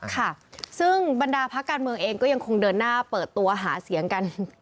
ค่ะซึ่งบรรดาพักการเมืองเองก็ยังคงเดินหน้าเปิดตัวหาเสียงกัน